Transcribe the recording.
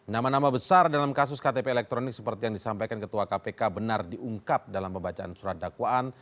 nama nama besar dalam kasus ktp elektronik seperti yang disampaikan ketua kpk benar diungkap dalam pembacaan surat dakwaan